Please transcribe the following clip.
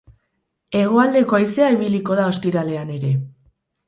Hegoaldeko haizea ibiliko da ostiralean ere.